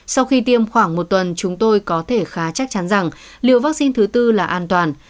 sau khi tiêm khoảng một tuần chúng tôi có thể khá chắc chắn rằng liều vaccine thứ tư là an toàn